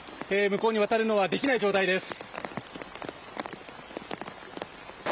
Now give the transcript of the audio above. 向こうに渡るのはできない状態です。